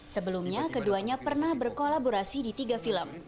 sebelumnya keduanya pernah berkolaborasi di tiga film